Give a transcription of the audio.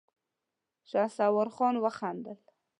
شهسوار خان وخندل.